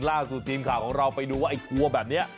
ล่าสุดทีมข่าวของเราไปดูว่าไอ้ทัวร์แบบนี้